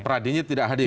pradi nya tidak hadir ya